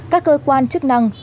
các cơ quan chức năng